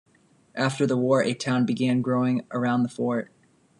After the war, a town began growing around the fort.